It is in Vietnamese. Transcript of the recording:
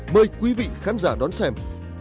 mời quý vị khán giả đón xem